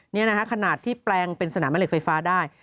นี่นะฮะขนาดที่แปลงเป็นสนามเหล็กไฟฟ้าได้